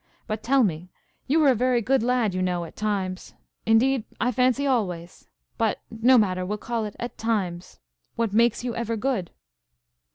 But tell me, now. You are a very good lad, you know, at times–indeed, I fancy always; but no matter, we'll call it at times. What makes you ever good?"